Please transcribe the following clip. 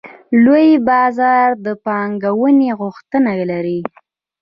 لوی بازار د پانګونې غوښتنه لري.